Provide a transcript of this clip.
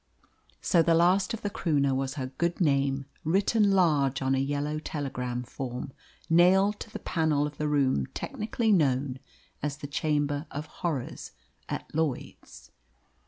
..... So the last of the Croonah was her good name written large on a yellow telegram form, nailed to the panel of the room technically known as the Chamber of Horrors at Lloyd's.